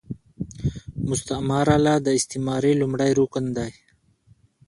مستعارله د استعارې لومړی رکن دﺉ.